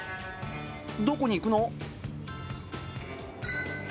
どこに行くの？